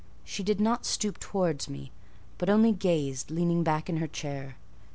She did not stoop towards me, but only gazed, leaning back in her chair.